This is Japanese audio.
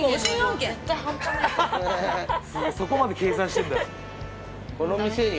そこまで計算してんだ。